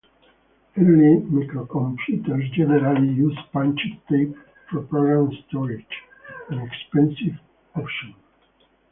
Early microcomputers generally used punched tape for program storage, an expensive option.